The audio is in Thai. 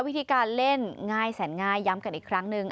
วิธีการเล่นง่ายแสนง่ายย้ำกันอีกครั้งหนึ่ง